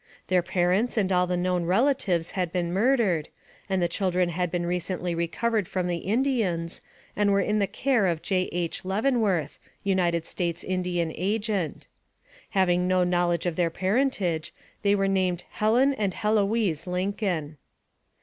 Their parents and all the known relatives had been murdered, and the children had been recently recovered from the In dians, and were in the care of J. H. Leaven worth, United States Indian Agent. Having no knowledge of their parentage, they were named Helen and Heloise Lincoln.